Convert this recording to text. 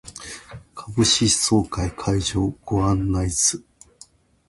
株主総会会場ご案内図